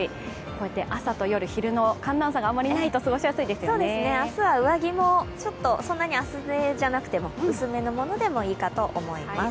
こうやって朝と昼と夜、寒暖差があまりないと明日は上着もそんなに厚手じゃなくても、薄めのものでもいいと思います。